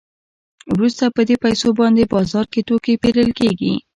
وروسته په دې پیسو باندې بازار کې توکي پېرل کېږي